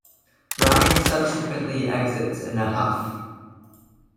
Brian subsequently exits in a huff.